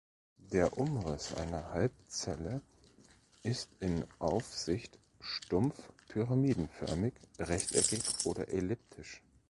Der Umriss einer Halbzelle ist in Aufsicht stumpf pyramidenförmig, rechteckig oder elliptisch.